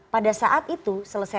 pada saat itu selesai